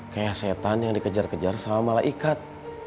kayak setan yang dikejar kejar sama mala ikat